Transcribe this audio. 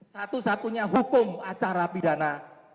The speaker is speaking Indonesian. satu satunya hukum acara pidana